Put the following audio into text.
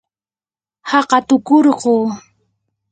haqatukurquu.